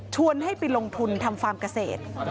ให้ไปลงทุนทำฟาร์มเกษตร